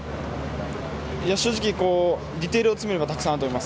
正直、ディテールを詰めればたくさんあると思います。